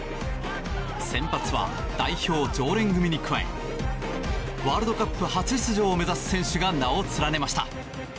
先発は代表常連組に加えワールドカップ初出場を目指す選手が名を連ねました。